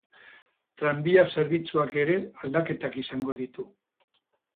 Tranbia zerbitzuak ere aldaketak izango ditu.